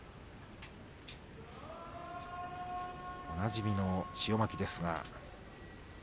おなじみの塩まきですが。